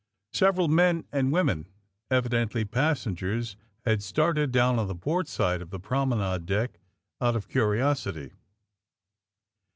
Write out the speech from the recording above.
Several men and women, evidently passen gers, had started down on the port side of the promenade deck out of curiosity.